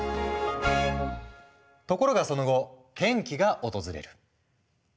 ところがその後転機が訪れる。